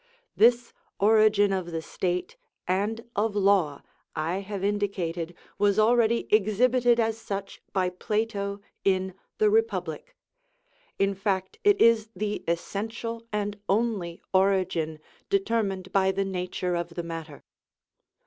This origin of the state and of law I have indicated was already exhibited as such by Plato in the "Republic." In fact, it is the essential and only origin, determined by the nature of the matter.